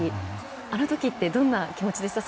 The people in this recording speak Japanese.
あの時どんな気持ちでしたか？